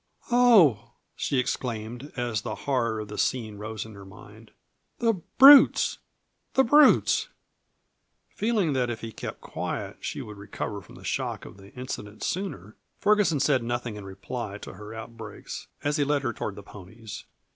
"Oh!" she exclaimed, as the horror of the scene rose in her mind. "The brutes! The brutes!" Feeling that if he kept quiet she would recover from the shock of the incident sooner, Ferguson said nothing in reply to her outbreaks as he led her toward the ponies.